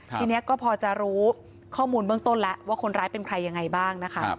ทีนี้ก็พอจะรู้ข้อมูลเบื้องต้นแล้วว่าคนร้ายเป็นใครยังไงบ้างนะคะ